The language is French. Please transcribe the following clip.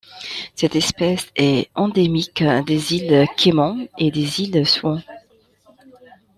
Cette espèce est endémique des îles Caïmans et des îles Swan.